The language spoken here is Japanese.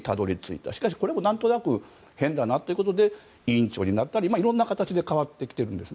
ところがこれも何となく変だなということで委員長になったり、いろんな形で変わっているんです。